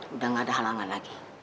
udah gak ada halangan lagi